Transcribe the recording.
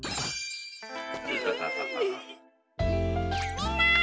みんな！